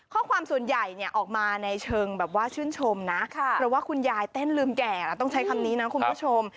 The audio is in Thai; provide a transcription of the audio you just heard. ส่วนใหญ่เนี่ยออกมาในเชิงแบบว่าชื่นชมนะเพราะว่าคุณยายเต้นลืมแก่แล้วต้องใช้คำนี้นะคุณผู้ชม